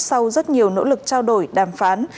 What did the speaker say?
sau rất nhiều nỗ lực trao đổi đàm phán